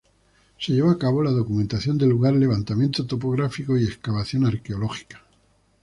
Se llevó a cabo la documentación del lugar, levantamiento topográfico y excavación arqueológica.